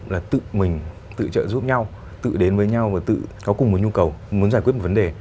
là tự mình tự trợ giúp nhau tự đến với nhau và tự có cùng một nhu cầu muốn giải quyết một vấn đề